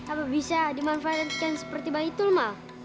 apa bisa dimanfaatkan seperti baitul ma